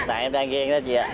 tại em đang ghen đó chị ạ